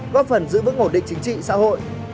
góp phần giữ vững ổn định chính trị xã hội